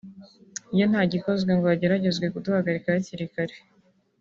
iyo nta gikozwe ngo hageragezwe kuduhagarika hakiri kare